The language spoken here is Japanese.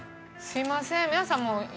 すいません。